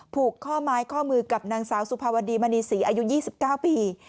ผูกข้อไม้ข้อมือกับนางสาวสุภาวดีมณีศรีอายุ๒๙ปี